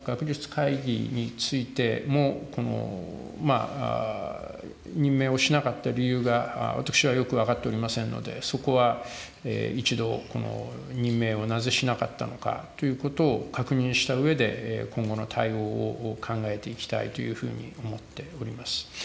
学術会議についても、任命をしなかった理由が私はよく分かっておりませんので、そこは一度、この任命をなぜしなかったのかということを確認したうえで、今後の対応を考えていきたいというふうに思っております。